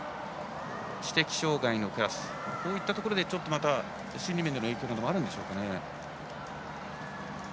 知的障がいのクラスこういったところでちょっとまた心理面での影響もあるでしょうか。